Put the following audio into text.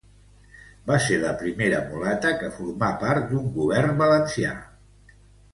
Va ser la primera mulata que formà part d'un govern valencià.